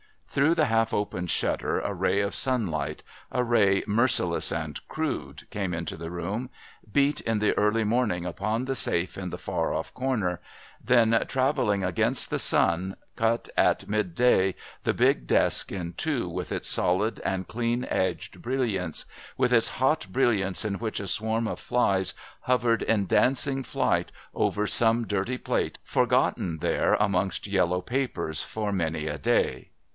Through the half open shutter a ray of sunlight, a ray merciless and crude, came into the room, beat in the early morning upon the safe in the far off corner, then, travelling against the sun, cut at midday the big desk in two with its solid and clean edged brilliance; with its hot brilliance in which a swarm of flies hovered in dancing flight over some dirty plate forgotten there amongst yellow papers for many a day!"